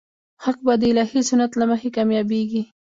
حق به د الهي سنت له مخې کامیابېږي.